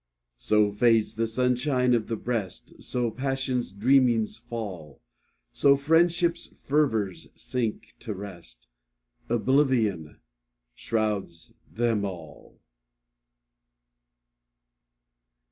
So fades the sunshine of the breast, So passion's dreamings fall, So friendship's fervours sink to rest, Oblivion shrouds them all.